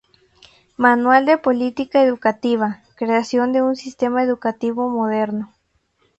Manual de política educativa, creación de un sistema educativo moderno.